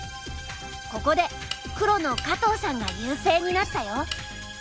ここで黒の加藤さんが優勢になったよ。